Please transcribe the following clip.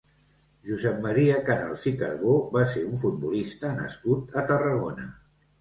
Josep Maria Canals i Carbó va ser un futbolista nascut a Tarragona.